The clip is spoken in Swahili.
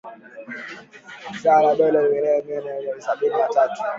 sawa na dolo milioni mia moja sabini na tatu